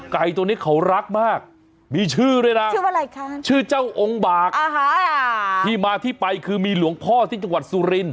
ไก่ตัวนี้เขารักมากมีชื่อด้วยนะชื่อว่าอะไรคะชื่อเจ้าองค์บากที่มาที่ไปคือมีหลวงพ่อที่จังหวัดสุรินท